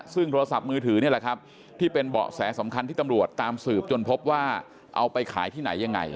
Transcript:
ซึ่งโทรศัพท์มือถือนี่แหละครับที่เป็นเบาะแสสำคัญที่ตำรวจตามสืบจนพบว่าเอาไปขายที่ไหนยังไง